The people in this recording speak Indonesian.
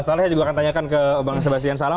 salah saya juga akan tanyakan ke bang sebastian salam